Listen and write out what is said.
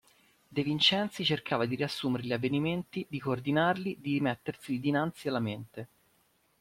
De Vincenzi cercava di riassumere gli avvenimenti, di coordinarli, di metterseli dinanzi alla mente.